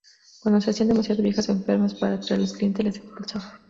Cuando se hacían demasiado viejas o enfermas para atraer a los clientes, las expulsaba.